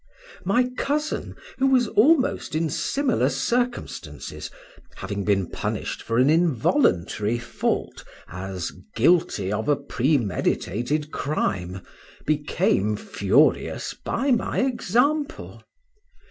My cousin, who was almost in similar circumstances, having been punished for an involuntary fault as guilty of a premediated crime, became furious by my example.